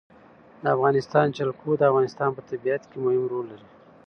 د افغانستان جلکو د افغانستان په طبیعت کې مهم رول لري.